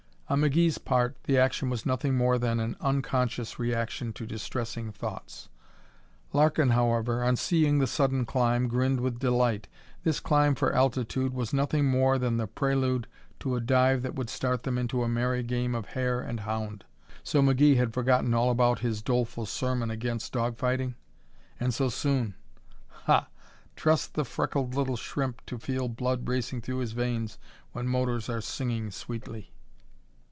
On McGee's part the action was nothing more than an unconscious reaction to distressing thoughts. Larkin, however, on seeing the sudden climb, grinned with delight. This climb for altitude was nothing more than the prelude to a dive that would start them into a merry game of hare and hound. So McGee had forgotten all about his doleful sermon against dog fighting? And so soon. Ha! Trust the freckled "Little Shrimp" to feel blood racing through his veins when motors are singing sweetly.